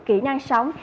kỹ năng sống